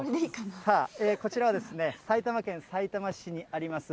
こちらは、埼玉県さいたま市にあります